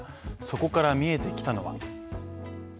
そこから見えてきたのは。